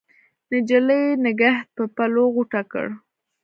نجلۍ نګهت په پلو غوټه کړ